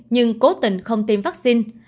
nhưng cố tình không tiêm vaccine